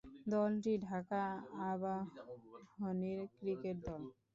দলটি ঢাকা আবাহনীর ক্রিকেট দল।